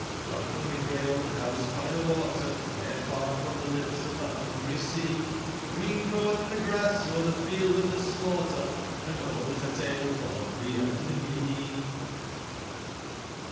Come from tbe grey old bouse by tbe water, ^bere, far from tbe lips of tbe bungry sea, Green growetb tbe grass o'er tbe field of tbe slaugbtcr, Hnd all is a talc for tbec and me.